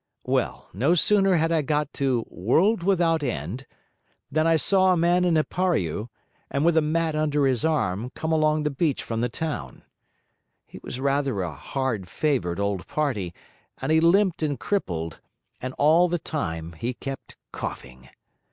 Well, no sooner had I got to WORLD WITHOUT END, than I saw a man in a pariu, and with a mat under his arm, come along the beach from the town. He was rather a hard favoured old party, and he limped and crippled, and all the time he kept coughing.